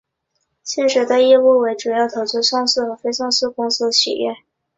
现时业务为主要投资上市和非上市公司企业。